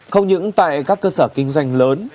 không những tại các cơ sở kinh doanh lớn